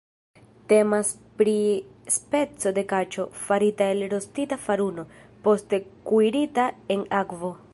Temas pri speco de kaĉo, farita el rostita faruno, poste kuirita en akvo.